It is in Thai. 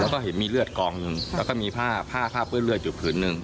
แล้วก็เห็นมีเลือดกองอยู่แล้วก็มีผ้าผ้าเปื้อนเลือดอยู่ผืนหนึ่ง